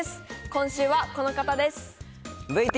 今週はこの方です。